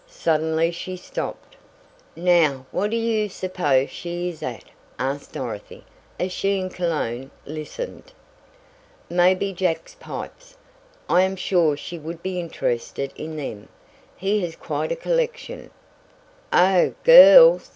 Suddenly she stopped. "Now what do you suppose she is at?" asked Dorothy, as she and Cologne listened. "Maybe Jack's pipes. I am sure she would be interested in them. He has quite a collection." "Oh! G i r l s!"